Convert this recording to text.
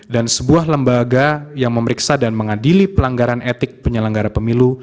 dan sebuah lembaga yang memeriksa dan mengadili pelanggaran etik penyelenggara pemilu